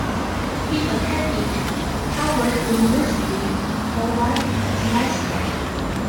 He attended Harvard University for one semester.